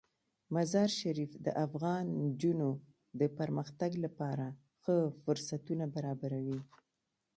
مزارشریف د افغان نجونو د پرمختګ لپاره ښه فرصتونه برابروي.